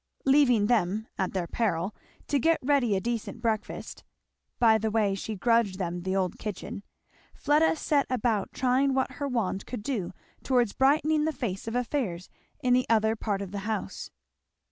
Leaving them, at their peril, to get ready a decent breakfast, (by the way she grudged them the old kitchen) Fleda set about trying what her wand could do towards brightening the face of affairs in the other part of the house.